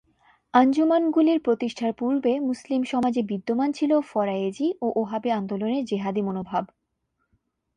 আঞ্জুমানগুলির প্রতিষ্ঠার পূর্বে মুসলিম সমাজে বিদ্যমান ছিল ফরায়েজী ও ওহাবী আন্দোলনের জেহাদি মনোভাব।